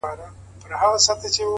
انسان د خپلې ژمنې په اندازه لوی وي،